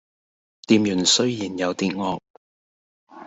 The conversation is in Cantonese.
店員雖然有啲惡